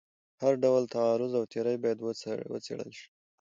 هر ډول تعرض او تیری باید وڅېړل شي.